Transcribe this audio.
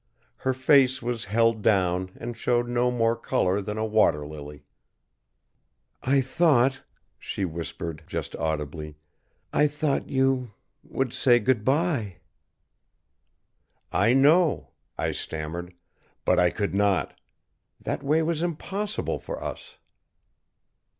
Her face was held down and showed no more color than a water lily. "I thought," she whispered, just audibly. "I thought you would say, good bye!" "I know," I stammered. "But I could not. That way was impossible for us."